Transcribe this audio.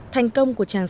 thành công của trường hợp